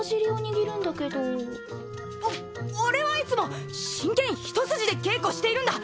お俺はいつも真剣一筋で稽古しているんだ！